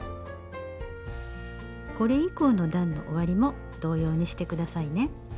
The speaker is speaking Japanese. これ以降の段の終わりも同様にしてくださいね。